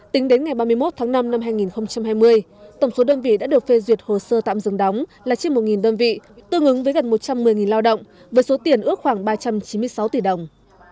tính đến ngày ba mươi một tháng năm năm hai nghìn hai mươi tổng số đơn vị đã được phê duyệt hồ sơ tạm dừng đóng là trên một đơn vị tương ứng với gần một trăm một mươi lao động với số tiền ước khoảng ba trăm chín mươi sáu tỷ đồng